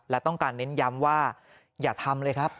และต้องการเน้นย้ำว่าอย่าทำเลยครับ